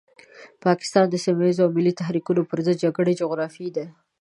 پاکستان د سيمه ييزو او ملي تحريکونو پرضد د جګړې جغرافيې ده.